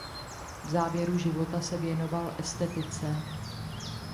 V závěru života se věnoval estetice.